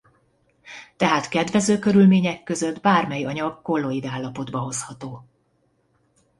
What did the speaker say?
Tehát kedvező körülmények között bármely anyag kolloid állapotba hozható.